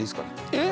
えっ！？